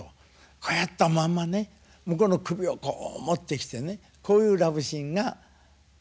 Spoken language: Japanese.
こうやったまんまね向こうの首をこう持ってきてねこういうラブシーンが。